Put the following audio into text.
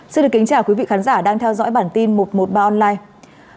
xin kính chào quý vị khán giả đang theo dõi bản tin một trăm một mươi ba online